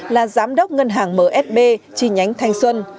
là giám đốc ngân hàng msb chi nhánh thanh xuân